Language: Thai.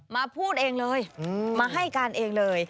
พูดเองเลยมาให้การเองเลย